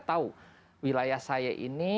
tahu wilayah saya ini